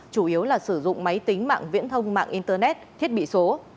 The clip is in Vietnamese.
chủ yếu là sử dụng máy tính mạng viễn thông mạng internet thiết bị số